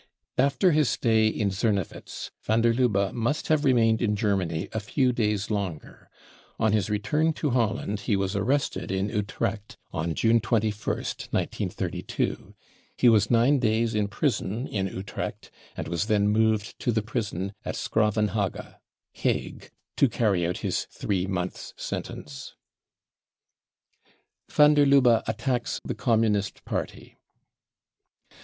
After his stay in Sornewitz van der Lubbe must have remained in Germany a few days longer. On his ret am to Holland he was arrested in Utrecht on June 21st, 1932. He was nine days in prison in Utrecht, and was then moved to the prison at S'Gravenhage (Hague) to carry out his three months sentence. Van der Lubbe attacks the Communist Party.